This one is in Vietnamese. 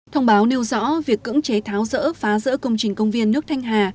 thông báo nêu rõ việc cưỡng chế tháo rỡ phá rỡ công trình công viên nước thanh hà